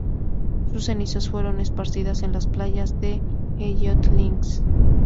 Sus cenizas fueron esparcidas en las playas de Elliot Links.